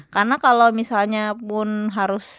karena kalau misalnya pun harus